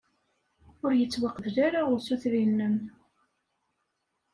Ur yettwaqbel ara usuter-inem.